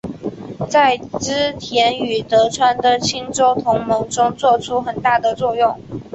在织田与德川的清洲同盟中作出很大的作用。